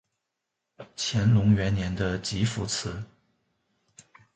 乾隆元年的集福祠。